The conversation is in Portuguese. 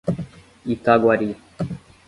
Itaguari